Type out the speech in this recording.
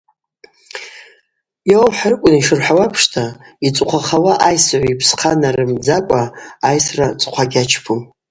Йауа ухӏварыквын, йшырхӏвауа апшта, йцӏыхъвахауа айсыгӏв йпсхъа нарымдаскӏва айсра цӏхъва гьачпум.